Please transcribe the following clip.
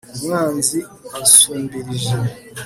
umwanzi ansumbirije